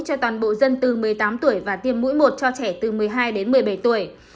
cho toàn bộ dân từ một mươi tám tuổi và tiêm mũi một cho trẻ từ một mươi hai đến một mươi bảy tuổi